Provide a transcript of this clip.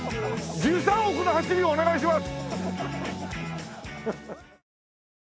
１３億の走りをお願いします！